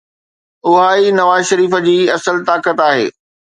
اها ئي نواز شريف جي اصل طاقت آهي.